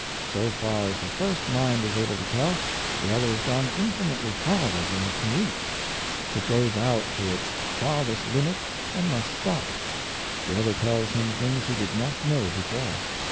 So far as the first mind is able to tell, the other has gone infinitely farther than it can reach. It goes out to its farthest limit and must stop; the other tells him things he did not know before.